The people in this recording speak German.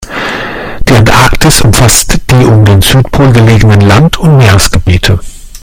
Die Antarktis umfasst die um den Südpol gelegenen Land- und Meeresgebiete.